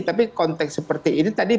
tapi konteks seperti ini tadi